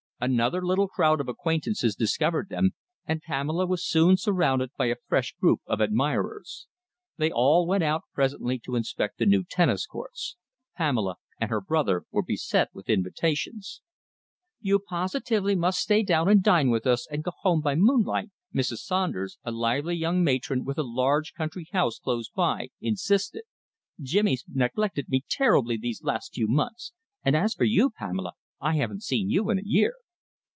Another little crowd of acquaintances discovered them, and Pamela was soon surrounded by a fresh group of admirers. They all went out presently to inspect the new tennis courts. Pamela and her brother were beset with invitations. "You positively must stay down and dine with us, and go home by moonlight," Mrs. Saunders, a lively young matron with a large country house close by, insisted. "Jimmy's neglected me terribly these last few months, and as for you, Pamela, I haven't seen you for a year."